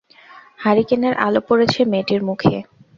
হারিকেনের আলো পড়েছে মেয়েটির মুখে।